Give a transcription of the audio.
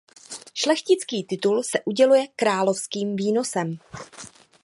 Šlechtický titul se uděluje královským výnosem.